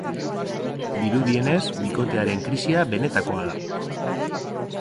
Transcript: Dirudienez, bikotearen krisia benetakoa da.